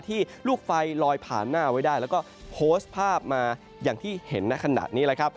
ที่ลูกไฟลอยผ่านหน้าไว้ได้แล้วก็โพสต์ภาพมาอย่างที่เห็นขนาดนี้